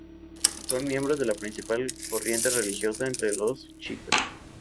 Son miembros de la principal corriente Religiosa entre los Chiitas.